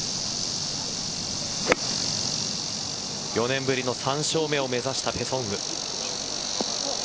４年ぶりの３勝目を目指したペ・ソンウ。